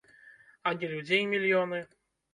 А не людзей мільёны.